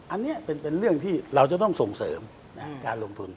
อันนี้เป็นเรื่องที่เราจะต้องส่งเสริมการลงทุน